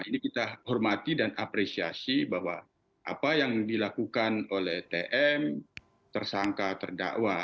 ini kita hormati dan apresiasi bahwa apa yang dilakukan oleh tm tersangka terdakwa